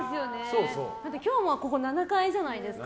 今日もここ、７階じゃないですか。